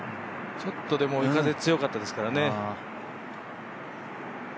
ちょっとでも、追い風が強かったですかね。